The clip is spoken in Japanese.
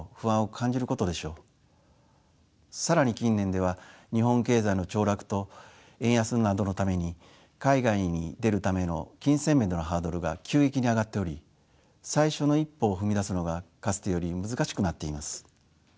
更に近年では日本経済の凋落と円安などのために海外に出るための金銭面でのハードルが急激に上がっており最初の一歩を踏み出すのがかつてより難しくなっています。